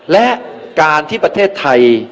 และการที่ประเทศไทย